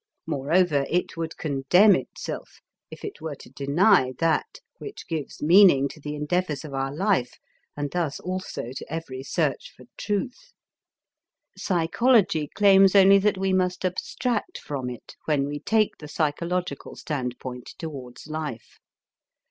Moreover it would condemn itself if it were to deny that which gives meaning to the endeavors of our life and thus also to every search for truth. Psychology claims only that we must abstract from it, when we take the psychological standpoint towards life.